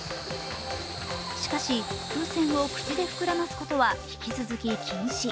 しかし風船を口で膨らますことは引き続き禁止。